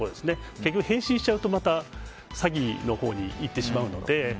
結局、返信しちゃうとまた詐欺のほうに行ってしまうので。